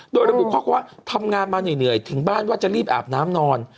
โดยระบุข้อความว่าทำงานมาเหนื่อยถึงบ้านว่าจะรีบอาบน้ำนอน